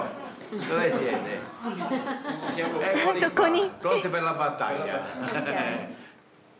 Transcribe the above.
あっそこに。